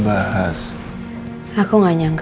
mereka trzeba senang pati setgeneration dumpling ini